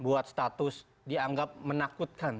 buat status dianggap menakutkan